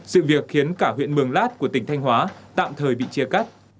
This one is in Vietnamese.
sự việc khiến cả huyện mường lát của tỉnh thanh hóa tạm thời bị chia cắt